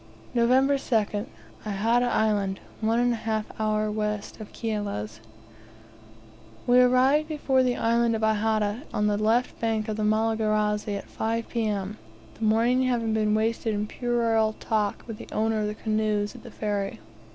November 2nd. Ihata Island, one and a half hour west of Kiala's. We arrived before the Island of Ihata, on the left bank of the Malagarazi, at 5 p.m.; the morning having been wasted in puerile talk with the owner of the canoes at the ferry.